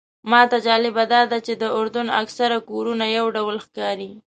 ماته جالبه داده چې د اردن اکثر کورونه یو ډول ښکاري.